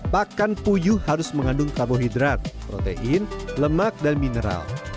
pakan puyuh harus mengandung karbohidrat protein lemak dan mineral